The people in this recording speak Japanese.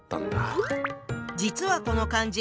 実はこの漢字